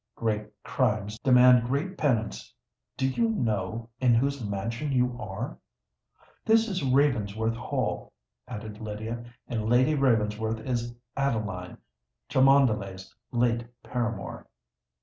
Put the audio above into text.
"Great crimes demand great penance. Do you know in whose mansion you are? This is Ravensworth Hall," added Lydia; "and Lady Ravensworth is Adeline—Cholmondely's late paramour."